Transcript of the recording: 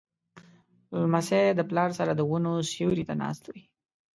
لمسی د پلار سره د ونو سیوري ته ناست وي.